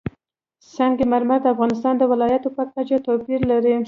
سنگ مرمر د افغانستان د ولایاتو په کچه توپیر لري.